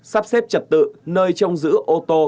sắp xếp trật tự nơi trông giữ ô tô